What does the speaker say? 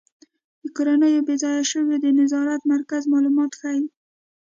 د کورنیو بې ځایه شویو د نظارت مرکز معلومات ښيي.